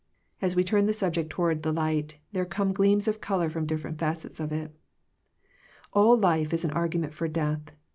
As we turn the subject toward the light, there come gleams of color from different acets of it All life is an argument for death.